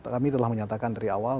kami telah menyatakan dari awal